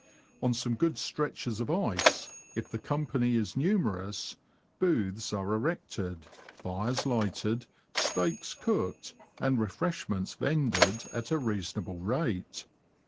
On some good stretches of ice, if the company is numerous, booths are erected, fires lighted, steaks cooked, and refresh ments vended at a reasonable rate.